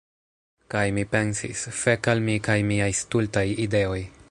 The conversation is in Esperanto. Kaj mi pensis: "Fek al mi kaj miaj stultaj ideoj!"